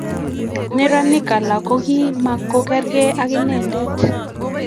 Neranik alak kokimakokerkei ak inendet